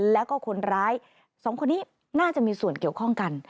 แล้วก็คนร้ายสองคนนี้น่าจะมีส่วนเกี่ยวข้องกัน